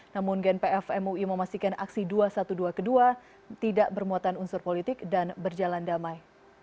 namun gnpf mui memastikan aksi dua ratus dua belas tidak bermuatan unsur politik dan berjalan damai